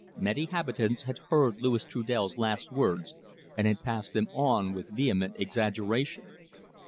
Many habitants had heard Louis Trudel's last words, and had passed them on with vehement exaggeration.